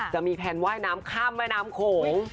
จะมีแพลนว่ายน้ำข้ามแม่น้ำโขง